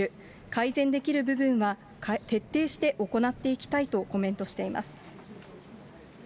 改善できる部分は徹底して行っていきたいとコメントしています。